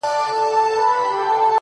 څلوريځه،